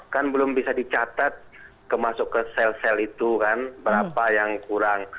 kan belum bisa dicatat masuk ke sel sel itu kan berapa yang kurang